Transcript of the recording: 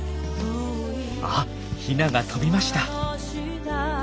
あっヒナが飛びました！